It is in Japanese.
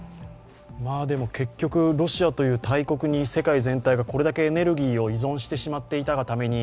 結局ロシアという大国に世界全体がこれだけエネルギーを依存してしまっていたがために